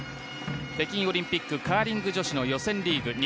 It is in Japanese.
北京オリンピックカーリング女子の予選リーグ